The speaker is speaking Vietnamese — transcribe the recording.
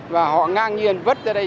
và họ ngang nhiên vứt ra đây